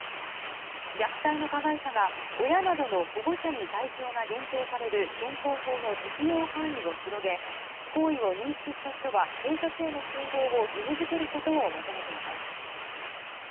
虐待の加害者が親などの保護者に対象が限定される現行法の適用範囲を広げ行為を認識した人は警察への通報を義務付けることを求めています。